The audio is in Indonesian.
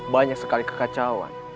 banyak sekali kekacauan